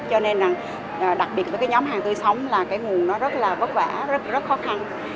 cho nên là đặc biệt với cái nhóm hàng tươi sống là cái nguồn nó rất là vất vả rất khó khăn